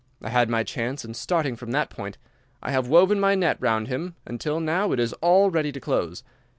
I had my chance, and, starting from that point, I have woven my net round him until now it is all ready to close.